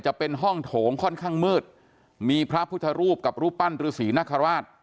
จะเป็นห้องโถงค่อนข้างมืดมีพระพุทธรูปกับรูปปั้นฤษีนคราช